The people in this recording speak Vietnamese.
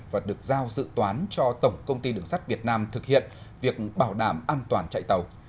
và được giao dự toán cho tổng công ty đường sắt việt nam thực hiện việc bảo đảm an toàn chạy tàu